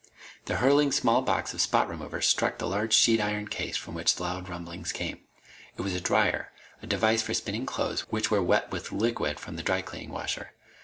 The hurtling small box of spot remover struck the large sheet iron case from which loud rumblings came. It was a dryer; a device for spinning clothes which were wet with liquid from the dry cleaning washer.